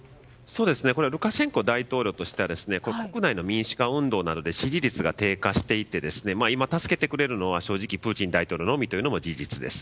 ルカシェンコ大統領としては国内の民主化運動などで支持率が低下していて今、助けてくれるのは正直、プーチン大統領のみというのも事実です。